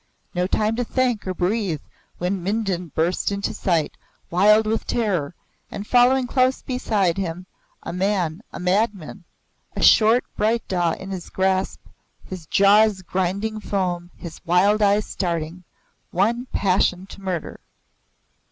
No time to think or breathe when Mindon burst into sight, wild with terror and following close beside him a man a madman, a short bright dah in his grasp, his jaws grinding foam, his wild eyes starting one passion to murder.